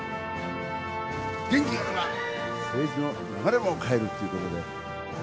元気があれば、政治の流れも変えるっていうことで。